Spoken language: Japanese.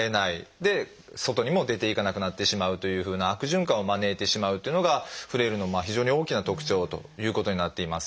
で外にも出て行かなくなってしまうというふうな悪循環を招いてしまうというのがフレイルの非常に大きな特徴ということになっています。